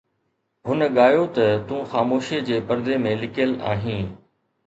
هن ڳايو ته تون خاموشيءَ جي پردي ۾ لڪيل آهين